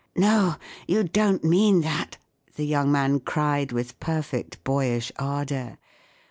" No, you don't mean that! " the young man cried, with perfect boyish ardour.